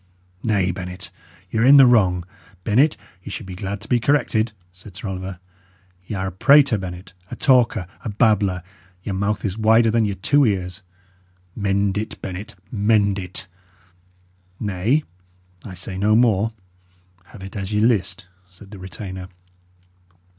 "Nay, Bennet, y' are in the wrong. Bennet, ye should be glad to be corrected," said Sir Oliver. "Y' are a prater, Bennet, a talker, a babbler; your mouth is wider than your two ears. Mend it, Bennet, mend it." "Nay, I say no more. Have it as ye list," said the retainer.